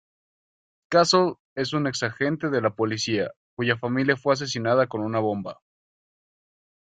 Castle es un ex-agente de la policía, cuya familia fue asesinada con una bomba.